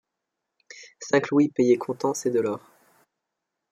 Cinq louis payés comptant, c’est de l’or.